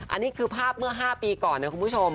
อันนี้คือภาพเมื่อ๕ปีก่อนนะคุณผู้ชม